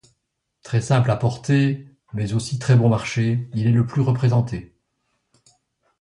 Très simple à porter mais aussi très bon marché, il est le plus représenté.